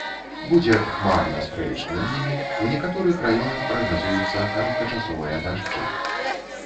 Будзе хмарна з праясненнямі, у некаторых раёнах прагназуюцца кароткачасовыя дажджы.